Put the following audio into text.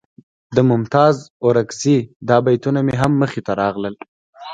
د ممتاز اورکزي دا بیتونه مې هم مخې ته راغلل.